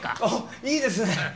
おっいいですね！